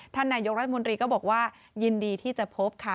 ท่านนายกรัฐมนตรีก็บอกว่ายินดีที่จะพบค่ะ